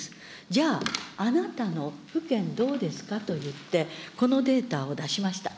じゃあ、あなたの府県どうですかと言って、このデータを出しました。